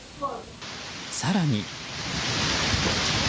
更に。